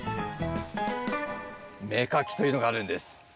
芽かきというのがあるんです。